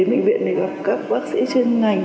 đến bệnh viện để gặp các bác sĩ chuyên ngành